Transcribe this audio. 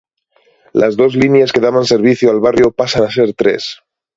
Las dos líneas que daban servicio al barrio pasan a ser tres.